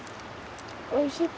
おいしい？